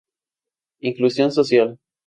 Inclusión social